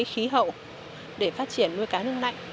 hậu để phát triển nuôi cá nước lạnh